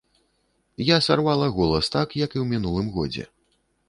Я сарвала голас так, як і ў мінулым годзе.